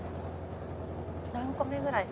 何個目ぐらい？